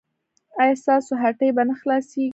ایا ستاسو هټۍ به نه خلاصیږي؟